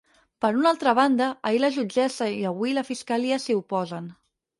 Per una altra banda, ahir la jutgessa i avui la fiscalia s’hi oposen.